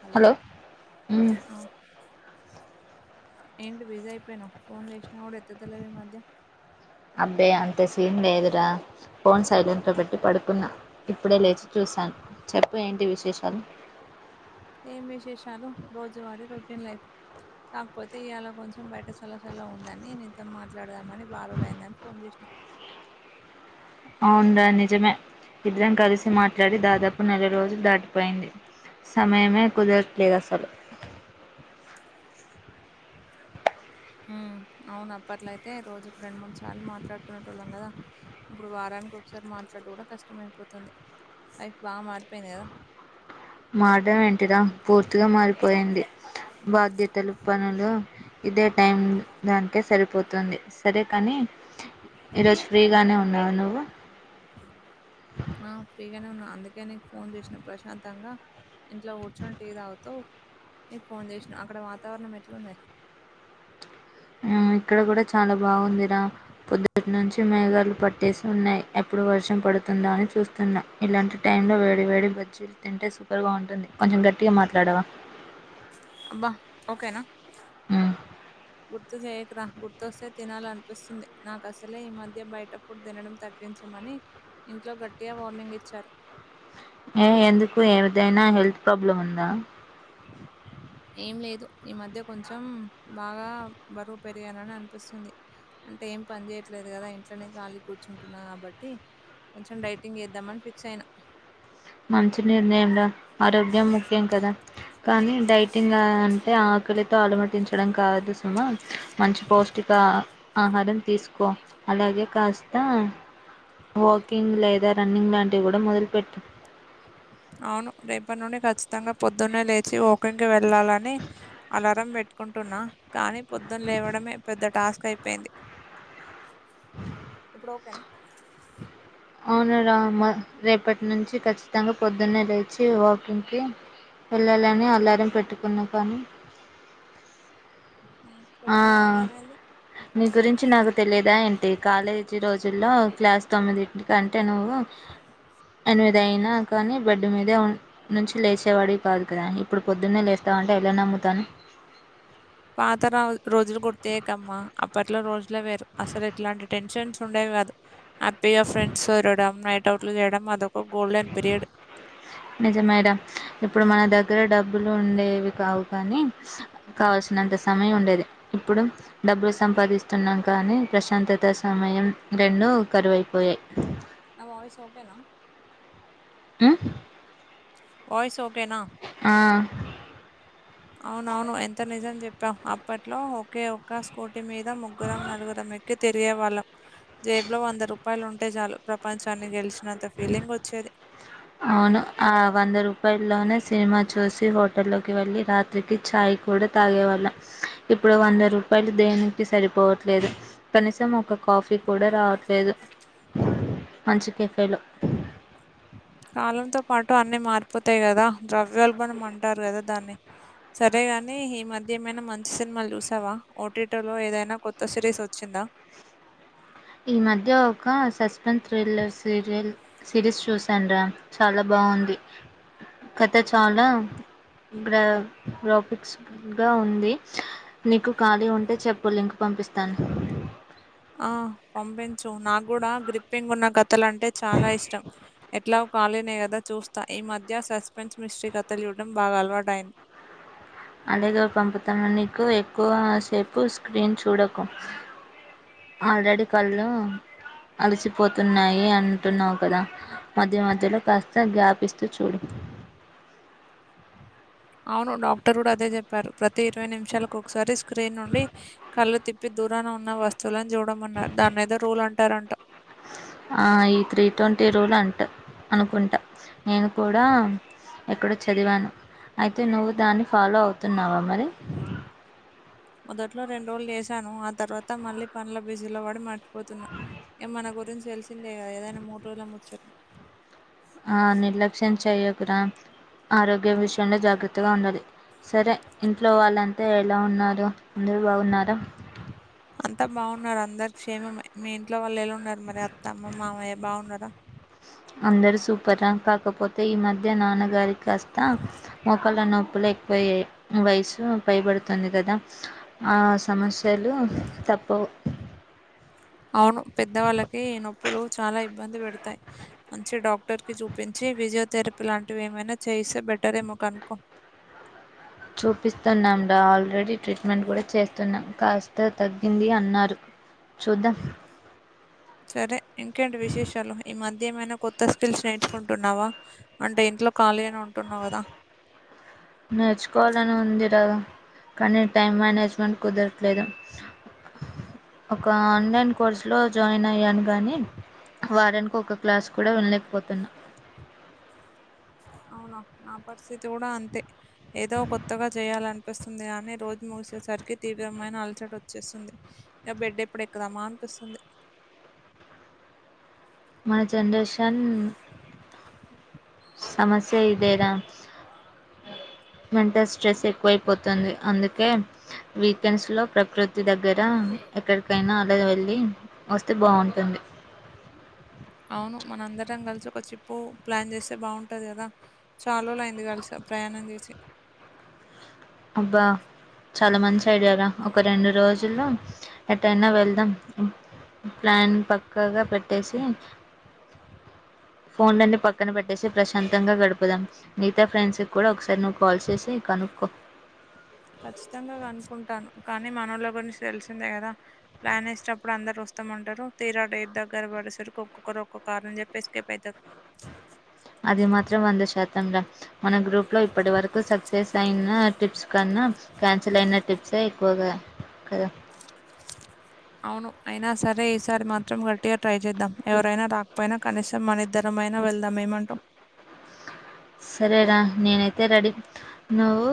Hello మ్మ్ ఆ ఏంటి బిజీ అయిపోయినావ్ ఫోన్ చేసినా కూడా ఎత్తత్తలేవు ఈ మధ్య అబ్బే అంతా సీన్ లేదురా ఫోన్ సైలెంట్ లో పెట్టి పడుకున్నా ఇప్పుడే లేచి చూశాను చెప్పు ఏంటి విశేషాలు ఏం విశేషాలు రోజువారీ రొటీన్ లైఫ్ కాకపోతే ఇవాళ కొంచెం బయట చల్ల చల్ల ఉందని నీతో మాట్లాడదామని బారులైందని ఫోన్ చేసినా [inaudible] అవును రా నిజమే ఇద్దరం కలిసి మాట్లాడి దాదాపు నెల రోజులు దాటిపోయింది సమయమే కుదరట్లేదు అసలు [inaudible] ఉమ్ అవును అప్పట్లో అయితే రోజు రెండు మూడు సార్లు మాట్లాడుకునేటోళ్ళం కదా ఇప్పుడు వారానికి ఒకసారి మాట్ డుడు కూడా కష్టమైపోతుంది లైఫ్ బాగా మారిపోయింది కదా మారడం ఏంటి రా పూర్తిగా మారిపోయింది [inaudible] బాధ్యతలు పనులు ఇదే టైం దానికే సరిపోతుంది సరే కానీ [inaudible] ఈరోజు ఫ్రీగానే ఉన్నావా నువ్వు [inaudible] ఆ ఫ్రీ గానే ఉన్నా అందుకే నీకు ఫోన్ చేసినా ప్రశాంతంగా ఇంట్లో కూర్చుని టి తాగుతూ నీకు ఫోన్ చేసినా అక్కడ వాతావరణం ఎట్లున్నది ఉమ్ ఇక్కడ కూడా చాలా బాగుందిరా పొద్దుటి నుంచి మేఘలు పట్ ట్టేసి ఉన్నాయి ఎప్పుడు వర్షం పడుతుందా అని చూస్తున్నా ఇలాంటి టైమ్ లో వేడి వేడి బజ్జీలు తింటే సూపర్ గా ఉంటుంది కొంచెం గట్టిగా మాట్లాడవా అబ్బా ఉమ్ గుర్తుచేయకు రా గుర్తు వస్తే తినాలనిపిస్తుంది నాకు అసలే ఈ మధ్య బయట పుడ్ తినడం తగ్గించమని ఇంట్లో గట్టిగా వార్నింగ్ ఇచ్చారు ఏ ఎందుకు ఏదైనా హెల్త్ ప్రాబ్లం ఉందా [inaudible] ఏం లేదు ఈ మధ్య కొంచెం బాగా బరువు పెరిగానని అనిపిస్తుంది అంటే ఏం పని చేయట్లేదు కదా ఇంట్లోనే కాలిగా కూర్చుంటున్నా కాబట్టి కొంచెం డైటింగ్ చేద్దామని ఫిక్స్ అయినా మంచి నిర్ణయం రా ఆరోగ్యం ముఖ్యం కదా కానీ డైటింగ్ అంటే ఆ ఆకలితో అలమటించడం కాదు సుమ మంచి పౌష్టిక ఆహారం తీసుకో అలాగే కాస్త వాకింగ్ లేదా రన్నింగ్ లాంటివి కూడా మొదలు పెట్టు అవును రేపటి నుండి ఖచ్చితంగా పొద్దున్నే లేచి వాకింగ్ కి వెళ్ళాలని అలారం పెట్టు కుంటున్నా కానీ పొద్దున్ లేవడమే పెద్ద టాస్క్ అయిపోయింది. [inaudible] ఇప్పుడు ఓకేనా అవునారా మ రేపట్నుంచి ఖచ్చితంగ పొద్దున్నే లేచి వాకింగ్కి వెళ్లాలని అలారం పెట్టుకున్నా కానీ [inaudible] [inaudible] ఆ పెట్టుకున్నవ్ గని ఏమైంది నీ గురించి నాకు తెలీదా ఏంటి కాలేజీ రోజుల్లో క్లాస్ తొమ్మిదింటి కంటే నువ్వు ఎనిమిదైనా కానీ బెడ్డు మీదే నుంచి లేచేవాడివి కాదు కదా ఇప్పుడు పొద్దున్నే లేస్తా తా అంటే ఎలా నమ్ముతాను. [inaudible] పాత రా రోజులు గుర్తు చేయకమ్మా అప్పట్లో రోజులే వేరు అసలు ఎట్లాంటి టెన్షన్స్ ఉండేవి కాదు హ్యాపీగా ఫ్రెండ్స్ తిరగడం నైట్ అవుట్లు చేయడం అదో నిజమేడ ఇప్పుడు మన ద దగ్గర డబ్బులు ఉండేవి కావు కానీ కావల్సినంత సమయం ఉండేది ఇప్పుడు డబ్బులు సంపాదిస్తున్నాం కానీ ప్రశాంతత, సమయం రెండు కరువైపోయాయి. నా వాయిస్ ఓకేనా మ్ వాయిస్ ఓకేనా అవునవును ఎంత నిజం చెప్పావ్ అప్పట్లో ఒకే ఒక స్కూటీ మీద ముగ్గురం, నలుగురం ఎక్కి తిరిగేవాళ్ళం జేబ్లో వంద రూపాయలు ఉంటే చాలు ప్రపంచాన్ని గెలిచినంత ఫీలింగ్ వచ్చేది. [inaudible] అవును ఆ వంద రూపాయల్లోనే సినిమా చూసి హోటల్లోకి వెళ్ళి రాత్రికి చాయ్ కూడా తాగేవాళ్ళం. ఇప్పుడు వంద రూపాయలు దేనికి సరిపోవట్లేదు కనీసం ఒక కాఫీ కూడా రావట్లేదు. [inaudible] మంచి కెఫేలో కాలంతో పాటు అన్ని మారిపోతాయి గదా ద్రవ్యోల్బణం అంటారు కదా దాన్ని సరేగాని ఈ మధ్య ఏమైనా మంచి సినిమాల్ చూసావా ఓటీటోలో ఏదైనా కొత్త సిరీస్ వచ్చిం దా ఈ మధ్య ఒక సస్పెన్స్ థ్రిల్లర్ సీరియల్ సిరీస్ చూసాన్రా చాలా బా బాగుంది కథ చాలా బ్రా గ్రాఫిక్స్గా ఉంది. నీకు ఖాళీ ఉంటే చెప్పు లింక్ పంపి పిస్తాను. ఆ పంపించు నాక్ గుడా గ్రిప్పింగ్ ఉన్న క థలంటే అంటే చాలా ఇష్టం ఎట్లా కాలీనే కదా చూస్తా ఈ మధ్య సస్పెన్స్ మిస్ట్రీ కథలు చూడ్డం బాగా అలవాటైం అలాగ పంపుతాను నీకు ఎక్కువ సేపు స్క్రీన్ చూడకు ఆల్రెడీ కళ్ళు అలసిపోతున్నాయి అంటున్నావు కదా మధ్య మధ్యలో కాస్త గ్యాపిస్తూ చూడు. [inaudible] అవును డాక్టర్ గుడా అదే చెప్పారు. ప్రతి ఇరవై నిమిషాలకు ఒకసారి స్క్రీన్ నుండి కళ్ళు తిప్ పి దూరాన ఉన్న వస్తువులన్ చూడమన్నారు దాన్నేదో రూల్ అంటారంట. ఆ ఈ త్రీ ట్వంటీ రూల్ అంట అనుకుంట నేను కూడా ఎక్కడో చదివాను అయితే నువ్వు దాన్ని ఫాలో అవుతున్నావా మరి మొదట్లో రెంరోజులు చేశాను ఆ తర్వాత మళ్ళీ పండ్ల బిజిలో పడి మ పోతున్నా ఇంక మన గురించి తెలిసిందే కదా ఏదైనా మూడు రోజుల ముచ్చ ఆ నిర్లక్ష్యం చేయ్యకురా ఆరోగ్య విషయంలో జాగ్రత్తగా ఉండాలి సరే ఇంట్లో వాళ్ళంతే ఎలా ఉన్నారు అందరు బాగున్నారా అంతా బాగున్నారు అందరు క్షేమమె మీ ఇంట్లో వాళ్ళు ఎళ ఉన్నారు మరి అత్త అమ్మ మామయ్య బాగున్నారా అందరుూ సూపర్ రా కాకపోతే ఈ మధ్య నాన్నగారి కాస్త మొక్కళ్ల నొప్పులు ఎ పో వయసు పైబడుతుంది కదా ఆ సమస్యలు తప్పవ్ [inaudible] అవును పెద్దవాళ్ళకి నొప్పులు చాలా ఇబ్బంది పెడతాయి మంచి డాక్టర్ కి చూపించి ఫిజియోథెరపీ లాంటివి ఏమైనా చేస్తే బెటరేమో కనుకో చూపిస్తున్నాం రా ఆల్రెడీ ట్రీట్మెంట్ కూడా చేస్తున్నాం కాస్త తగ్గింది అన్నారు చూద్దాం సరే ఇంకేంటి విశేషాలు ఈ మధ్య ఏమైనా కొత్త స్కిల్స్ నేర్చుకుంటున్నావా అంటే ఇంట్లో కలిగానే ఉం నేర్చుకోవాలని ఉంది రా కానీ టైం మేనేజ్మెంట్ కుదరట్లేదు ఒక ఆన్లైన్ కోర్సులో జాయిన్ అయ్యాను గానీ వారానికి ఒక క్లాస్ కూడా వినలేకపోతున్నా [unintelligible] అవునా నా పరిస్థితి కూడా అంతే ఏదో కొత్తగా చేయాల అనిపిస్తుంది కానీ రోజు మూ చూసేసరికి తీవ్రమైన అలసట వచ్చేస్తుంది ఇక బెడ్ ఎప్పుడు ఎక్కుదామా అనిపిస్తుంది [unintelligible] మన జనరేషన్ సమస్య ఇదే రా [unintelligible] మెంటల్ స్ట్రెస్ ఎక్కువైపోతుంది అందుకే వీకెండ్స్లో ప్రకృతి దగ్గర ఎక్కడికైనా అలాగ వెళ్ళి వస్తే బాగుంటుంది [unintelligible] అవును మన అందరం కలిసి ఒక ట్రిప్ ప్లాన్ చేస్తే బాగుంటది కదా చాలా రోజులు అయింది కలిసా ప్రయాణం చేసి అబ్బా చాలా మంచి ఐడియారా ఒక రెండు రోజులు ఎట్టైనా వెళ్దాం ప్లాన్ పక్కగా పెట్టేసి [unintelligible] ఫోన్లన్నన్ని పక్కన పెట్టేసి ప్రశాంతంగా గడుపుదాం మిగతా ఫ్రెండ్స్కి కూడా ఒకసారి నువ్వు కాల్ చేసి కనుక్కో ఖచ్చితంగా కనుకుంటాను కానీ మనోళ్ళ గురించి తెలిసిందే కదా ప్లాన్ వేసేటప్పుడు అందరు వస్త మంటారు తీరా డేట్ దగ్గర పడేసరికి ఒక్కొక్కరు ఒక్క కారణం చెప్పే ఎస్కేప్ ఐతారు అది మాత్రం వంద శాతంరా మన గ్రూప్లో ఇప్పటి వరకు సక్సెస్ అయిన టిప్స్ కన్నా క్యాన్సిల్ అయిన టిప్సే ఎక్కువగా కదా [unintelligible] అవును అయినా సరే ఈసారి మాత్రం గట్టిగా ట్రై చేద్దాం ఎవరైనా రాకపోయినా కనీసం మనద్దరం మైనా వెళ్దాం ఏమంటావ్ సరే రా నేనైతే రెడీ నువ్వు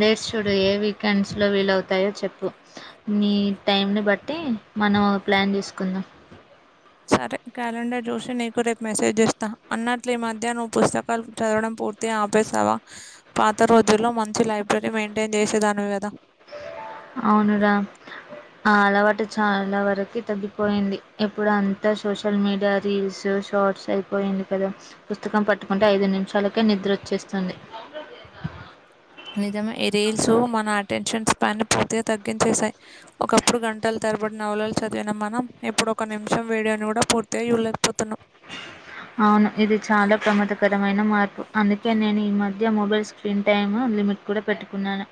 డేట్స్ చూడు ఏ వీకెండ్స్ లో విలేవుతాయో చెప్పు నీ టైంని బట్టి మనం ఒక ప్లాన్ చేసుకుందాం [unintelligible] సరే క్యాలెండర్ చూసి నీకు రేపు మెసేజ్ చేస్తా అన్నట్లు ఈ మధ్య నువ్వు పుస్తకాలు చదవడం పూ ఆపేసవా పాత రోజుల్లో మంచి లైబ్రరీ మెయింటైన్ చేసేదానివి కదా అవును రా ఆ అలవాటు చాల వరకు తగ్గిపోయింది ఇప్పుడు అంతా సోషల్ మీడియా రీల్స్ ఫ్రాడ్స్ అయిపోయింది కదా పుస్తకం పట్టుకుంటే ఐదు నిమిషాలకే నిద్ర వచ్చేస్తుంది నిజమే ఈ రిల్స్ మన అటెన్షన్ పైన పూర్తిగ తగ్గించేశాయి ఒకప్పుడు గంటల తరబడినౌలలు చదివిన మనం ఇప్పుడు ఒక నిమిషం వేడి అని కూడ పూర్తిగా చూళ్లేకపోతున్నాం అవును ఇది చాల ప్రమాదకరమైన మార్పు అందుకే నేను ఈ మధ్య మొబైల్ స్క్రీన్ టైమ్ లిమిట్ కూడ పెట్టుకున్నాను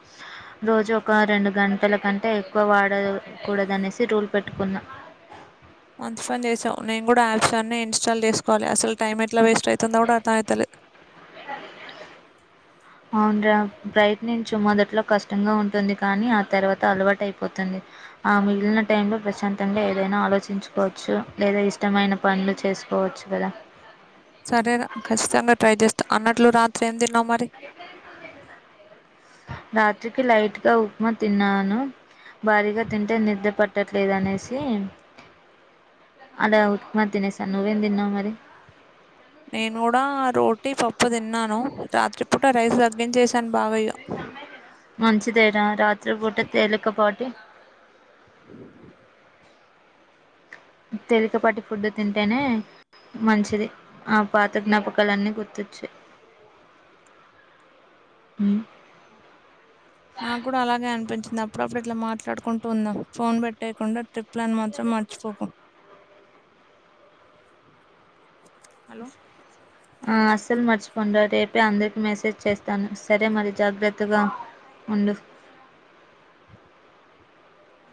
రోజు ఒక రెండు గంటల కంటే ఎక్కువ వాడకూడ అనేసి రూల్ పెట్టుకున్న [unintelligible] మంచి పని చేసావు నేను కూడ యాప్స్ అన్నీ ఇన్స్టాల్ చేసుకోవలే అసలు టైం ఎట్లా వేస్ట్ అవుతుందో కూడ అర్థమవుతలేదు [unintelligible] [unintelligible] అవును రా ప్రయత్నించు మొదట్లో కష్టంగా ఉంటుంది కానీ ఆ తర్వాత అలవాటు అయిపోతుంది ఆ మిగిలిన టైమ్ లో ప్రశాంతంగా ఏదైన ఆలోచించుకోచ్చు లేదా ఇష్టమైన పనులు చేసుకో చ్చు కదా సరేర ఖచ్చితంగా ట్రై చేస్తా అన్నట్లు రాత్రి ఏం తిన్నావు మరి రాత్రికి లైట్ గా ఉప్మా తిన్నాను భారీగా తింటే నిద్ర పట్టట్లేదు అనేసి అల ఉప్మా తినేసా నువ్వేం తన్నావ్ మరి నేను కూడా రోటీ పప్పు తిన్నాను రాత్రి పూట రైస్ తగ్గించేసాను బాగ మంచిదేర రాత్రి పూట తేలికపాటి తేలికపాటి ఫుడ్డు తింటేనే మంచిది ఆ పాత జ్ఞాపకాలన్నీ గుర్తొచయ్ ఉ నాకు కూడ అలాగే అనిపించింది అప్పుడప్పుడు ఇట్ల మాట్లాడుకుంటూ ఉందం ఫోన్ పెట్టేయకుండా ట్రిప్ ప్లాన్ మాత్రం మర్చిపోకు హలో ఆ అస్సలు మర్చిపోంండ రేపే అందరికి మెసేజ్ చేస్తాను సరే మరి జాగ్రత్తగా వుండు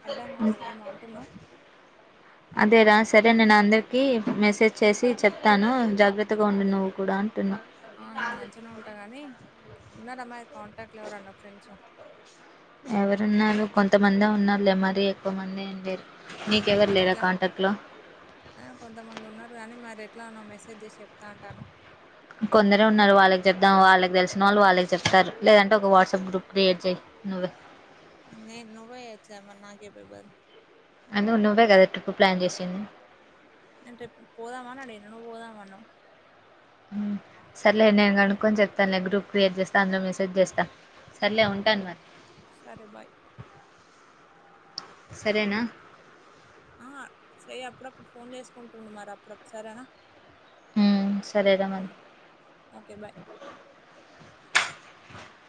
అర్థం కాల ఏమో అంటున్నావు అదేర సరే నేను అందరికి మెసేజ్ చేసి చెప్తాను జాగ్రత్తగా ఉండు నువ్వు కూడ నేను మంచినే ఉంటాను కానీ ఉన్నార అమ్మాయి కాంటాక్ట్లు ఎవరాన్న ఫ్రెండ్స్ ఎవరు ఉన్నారు కొంతమంది ఉన్నారు లే మరి ఎక్కువ మంది ఎం లేరు నీకెవరు మరి లేరా ఎట్ల కాంటాక్ట్ లో కొంతమంది ఉన్నారు కానీ మరి ఎట్లానో మెసేజ్ చేసి చెప్త అంటాను కొందరే ఉన్నారు వాళ్ళకి చెప్ద్దాం వాళ్ళకి తెలిసిన వాళ్ళు వాళ్ళకి చెప్తారు లేదంటే ఒక వాట్సాప్ గ్రూప్ క్రియేట్ చేయ్ నువ్వు [unintelligible] అంటే నువ్వే కదా ట్రిప్ ప్లాన్ చేసింది అంటే పోదామ అని అడిగిన నువ్వు పొదమన్నావ్ మ్మ్ సరే లే నేను కనుక్కొని చెప్తానులే గ్రూప్ క్రియేట్ చేస్తే అందులో మీ చేస్తా సరేలే ఉమ్. ఉంటాను మరి సరే బాయ్ సరేనా ఆ చెయ్ అప్పుడప్పుడు ఫోన్ చేసుకుంటుండు మరి అప్పుడు సరేనా మ్మ్ సరే రా ఆ, మరి ఓకే బాయ్